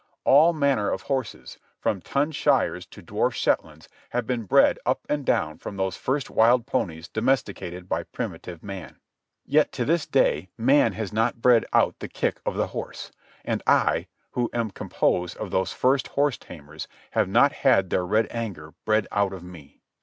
All manner of horses, from ton Shires to dwarf Shetlands, have been bred up and down from those first wild ponies domesticated by primitive man. Yet to this day man has not bred out the kick of the horse. And I, who am composed of those first horse tamers, have not had their red anger bred out of me.